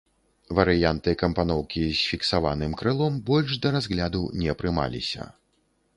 Варыянты кампаноўкі з фіксаваным крылом больш да разгляду не прымаліся.